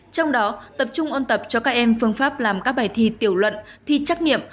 trong đó tập trung ôn tập cho các em phương pháp làm các bài thi tiểu luận thi trắc nghiệm